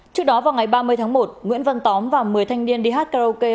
trước đó vào ngày ba mươi tháng một nguyễn văn tóm và một mươi thanh niên đi hát karaoke